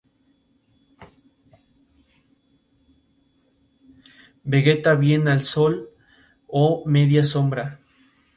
Vegeta bien al sol o media sombra.